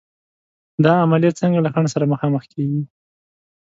دا عملیې څنګه له خنډ سره مخامخ کېږي؟